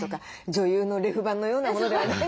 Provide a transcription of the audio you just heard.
女優のレフ板のようなものではない？